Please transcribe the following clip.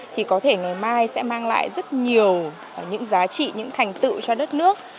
thì có thể ngày mai sẽ mang lại rất nhiều những giá trị những thành tựu cho đất nước